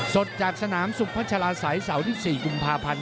สดจากสนามสุขพระชาลาสายเสาที่๔กุมภาพันธ์